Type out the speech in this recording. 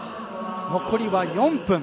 残りは４分。